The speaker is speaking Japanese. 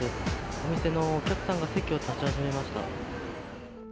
お店のお客さんが席を立ち始めました。